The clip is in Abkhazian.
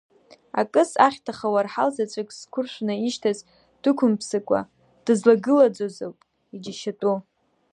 Акыс, ахьҭаха, уарҳал заҵәык зқәыршәны ишьҭаз, дықәымԥсыкәа дызлагылаӡазоуп иџьашьатәу.